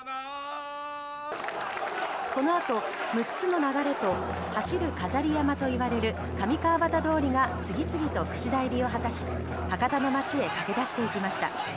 このあと６つの流と走る飾り山笠といわれる上川端通が次々と櫛田入りを果たし博多の街へ駆け出していきました。